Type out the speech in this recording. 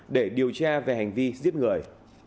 để điều tra về hành vi giết người